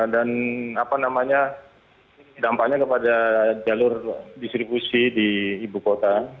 dan dampaknya kepada jalur distribusi di ibu kota